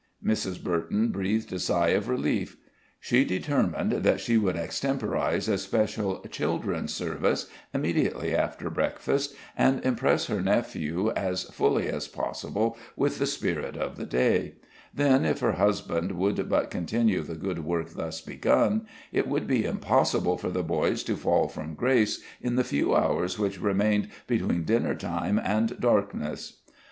Mrs. Burton breathed a sigh of relief. She determined that she would extemporize a special "Children's service" immediately after breakfast, and impress her nephews as fully as possible with the spirit of the day; then if her husband would but continue the good work thus begun, it would be impossible for the boys to fall from grace in the few hours which remained between dinner time and darkness.